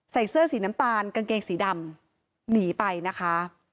ใส่เสื้อสีน้ำตาลกางเกงสีดำหนีไปนะคะ